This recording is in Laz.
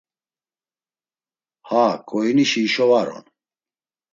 Ha ǩoinişi hişo var on.